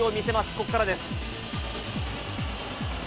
ここからです。